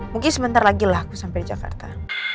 mungkin sebentar lagi lah aku sampai jakarta